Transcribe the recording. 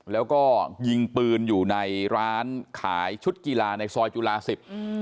แล้วก็ยิงปืนอยู่ในร้านขายชุดกีฬาในซอยจุฬาสิบอืม